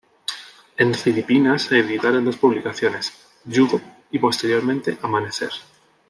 En Filipinas se editaron dos publicaciones: "Yugo," y posteriormente "Amanecer".